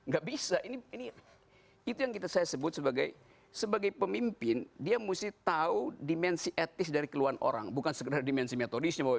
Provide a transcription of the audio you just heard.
gak bisa ini itu yang saya sebut sebagai pemimpin dia mesti tahu dimensi etis dari keluhan orang bukan sekedar dimensi metodisnya